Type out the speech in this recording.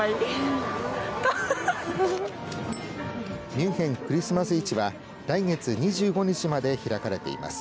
ミュンヘン・クリスマス市は来月２５日まで開かれています。